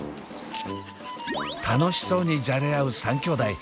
楽しそうにじゃれ合う３兄弟。